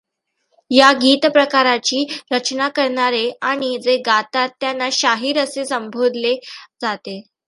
या गीत प्रकाराची रचना करणारे आणि जे गातात त्यांना शाहीर असे संबोधले जाते.